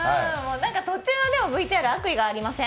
途中のＶＴＲ、悪意がありません？